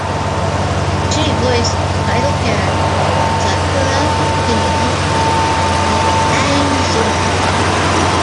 She voiced title character Sakura Kinomoto in Bang Zoom!